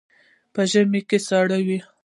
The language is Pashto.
په ژمي کې ساړه وي.